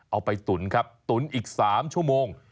เอาไปตุ๋นครับตุ๋นอีก๓ชั่วโมง